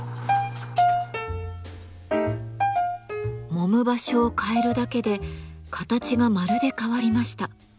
もむ場所を変えるだけで形がまるで変わりました。